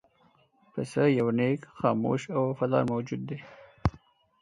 پسه یو نېک، خاموش او وفادار موجود دی.